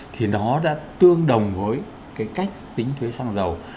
thì nó đã tương đồng với cái cách tính thuế xăng dầu